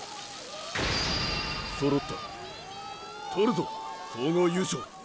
揃ったとるぞ総合優勝！